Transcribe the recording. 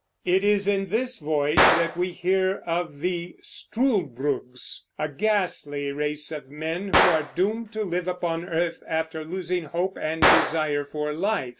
It is in this voyage that we hear of the Struldbrugs, a ghastly race of men who are doomed to live upon earth after losing hope and the desire for life.